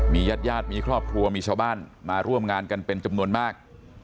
ญาติญาติมีครอบครัวมีชาวบ้านมาร่วมงานกันเป็นจำนวนมาก